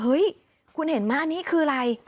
เฮ้ยคุณเห็นไหมนี่คืออะไร